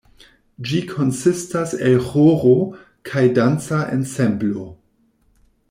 Ĝi konsistas el ĥoro kaj danca ensemblo.